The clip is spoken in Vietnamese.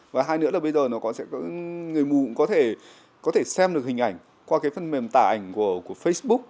và hai nữa là bây giờ người mù cũng có thể xem được hình ảnh qua cái phần mềm tả ảnh của facebook